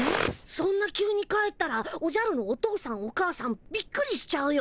そんな急に帰ったらおじゃるのお父さんお母さんびっくりしちゃうよ。